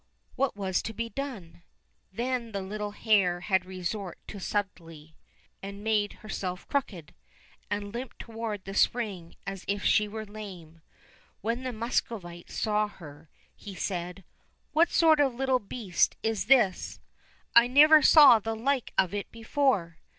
What was to be done ? Then the little hare had resort to subtlety, and made herself crooked, and limped toward the spring as if she were lame. When the Muscovite saw her he said, *' What sort of a little beast is this ? I never saw the like of it before